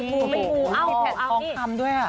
มูไม่มูเอ้าเอ้าเอ้ยมีแพทย์ทองคำด้วย